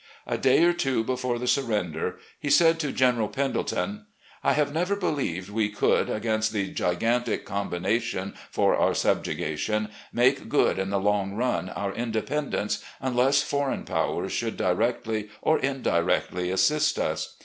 A day or two before the sur render, he said to General Pendleton: "... I have never believed we could, against the gigantic combination for our subjugation, make good in the long run our independence unless foreign powers should, directly or indirectly, assist us.